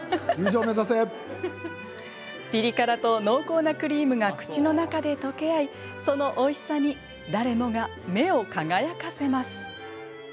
ピリ辛と濃厚なクリームが口の中で溶け合いそのおいしさに誰もが目を輝かせます。